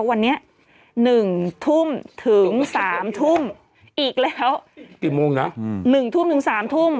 วันนี้๑ทุ่มถึงสามทุ่มอีกแล้วกี่โมงนะ๑ทุ่มถึงสามทุ่ม